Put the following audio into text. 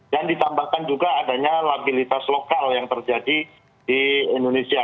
dan ditambahkan juga adanya labilitas lokal yang terjadi di indonesia